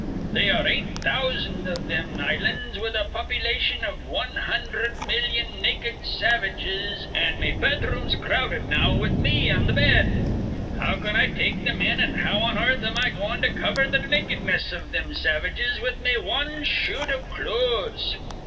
They are eight thousan' iv thim islands, with a popylation iv wan hundherd millyon naked savages; an' me bedroom's crowded now with me an' th' bed. How can I take thim in, an' how on earth am I goin' to cover th' nakedness iv thim savages with me wan shoot iv clothes?